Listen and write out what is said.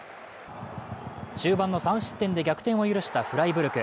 終盤の３失点で逆転を許したフライブルク。